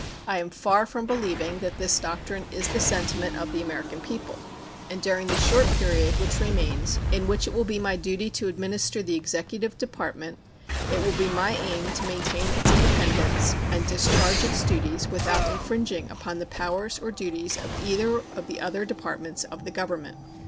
I am far from believing that this doctrine is the sentiment of the American people; and during the short period which remains in which it will be my duty to administer the executive department it will be my aim to maintain its independence and discharge its duties without infringing upon the powers or duties of either of the other departments of the Government.